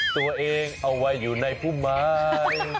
ตัวเองเอาไว้อยู่ในพุ่มไม้